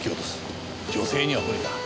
女性には無理だ。